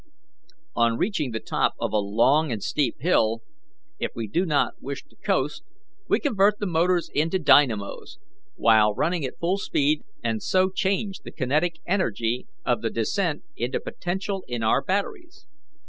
On reaching the top of a long and steep hill, if we do not wish to coast, we convert the motors into dynamos, while running at full speed, and so change the kinetic energy of the descent into potential in our batteries.